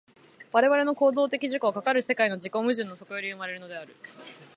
我々の行為的自己は、かかる世界の自己矛盾の底より生まれるのである。